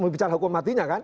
bicara hukuman matinya kan